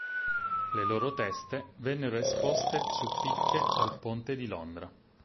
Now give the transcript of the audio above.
Le loro teste vennero esposte su picche al Ponte di Londra.